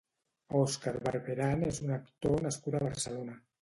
Óscar Barberán és un actor nascut a Barcelona.